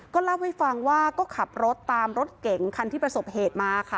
เล่าให้ฟังว่าก็ขับรถตามรถเก๋งคันที่ประสบเหตุมาค่ะ